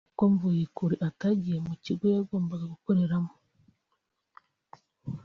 Kuko Mvuyekure atagiye mu kigo yagombaga gukoreramo imyitozo